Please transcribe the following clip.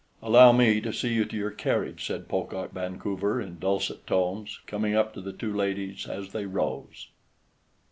"Allow me to see you to your carriage," said Pocock Vancouver in dulcet tones, coming up to the two ladies as they rose.